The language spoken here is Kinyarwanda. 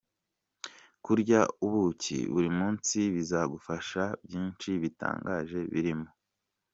Kurya ubuki buri munsi bizagufasha byinshi bitangaje birimo:.